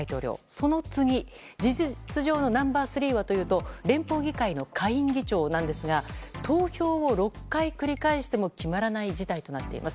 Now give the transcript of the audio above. その次、事実上のナンバー３はというと連邦議会の下院議長なんですが投票を６回繰り返しても決まらない事態となっています。